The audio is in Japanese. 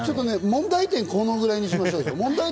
問題点はこのくらいにしましょう。